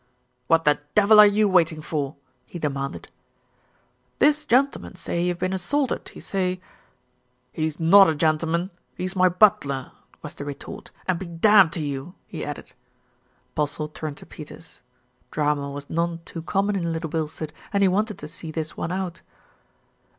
"What the devil are you waiting for?" he demanded. "This gentleman say he have been assaulted, he say" "He's not a gentleman, he's my butler," was the retort, "and be damned to you !" he added. MR. GADGETT TELLS THE TRUTH 329 Postle turned to Peters. Drama was none too com mon in Little Bilstead, and he wanted to see this one out.